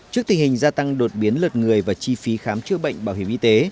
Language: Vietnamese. trước tình hình gia tăng đột biến lượt người và chi phí khám chữa bệnh bảo hiểm y tế